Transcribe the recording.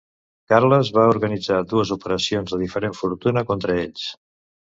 Carles va organitzar dues operacions de diferent fortuna contra ells.